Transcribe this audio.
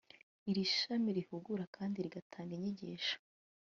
iri shami rihugura kandi rigatanga inyigisho